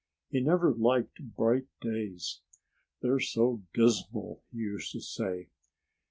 He never liked bright days. "They're so dismal!" he used to say.